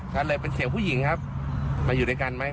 ก็เลยเป็นเสียงผู้หญิงครับมาอยู่ด้วยกันไหม